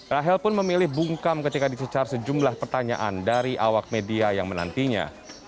rahel pun memilih bungkam ketika dicecar sejumlah pertanyaan dari awak media yang menantinya